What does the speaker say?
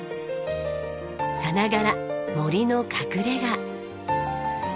さながら森の隠れ家。